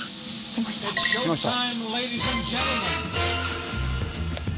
来ました。